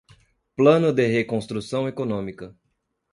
Plano de reconstrução econômica